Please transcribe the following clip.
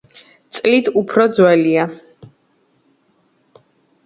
წლით უფრო ძველია.